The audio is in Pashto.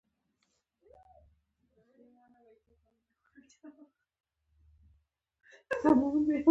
هماغلته په تمځای کي مې له یوه نفر پوښتنه وکړه.